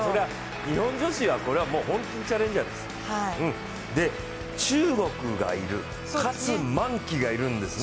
日本女子は本当にチャレンジャーです。